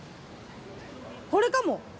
これかも。